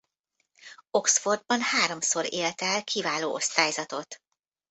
Oxfordban háromszor ért el kiváló osztályzatot.